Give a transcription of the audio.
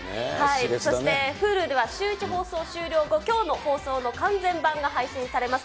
そしてＨｕｌｕでは、シューイチ放送終了後、きょうの放送の完全版が配信されます。